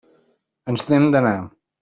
Ens n'hem d'anar.